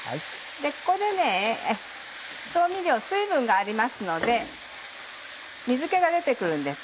ここで調味料水分がありますので水気が出て来るんです